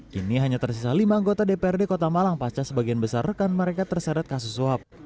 kini hanya tersisa lima anggota dprd kota malang pasca sebagian besar rekan mereka terseret kasus suap